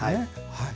はい。